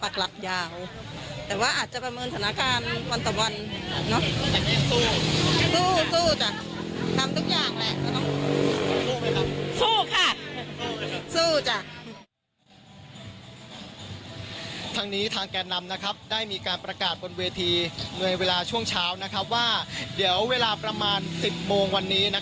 ทางนี้ทางแก่นำได้มีการประกาศบนเวทีเมื่อเวลาช่วงเช้าว่าเดี๋ยวเวลาประมาณ๑๐โมงวันนี้